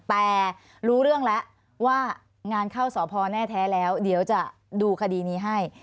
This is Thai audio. แต่รู้เรื่องแล้วว่างานเข้าสพแน่แท้แล้วเดี๋ยวจะดูคดีนี้ให้